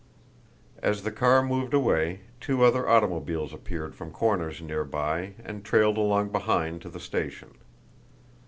As the car moved away two other automobiles appeared from corners near by and trailed along behind to the station.